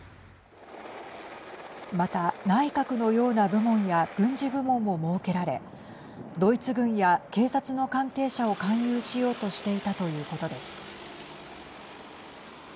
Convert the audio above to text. また、内閣のような部門や軍事部門も設けられドイツ軍や警察の関係者を勧誘しようとしていたということです。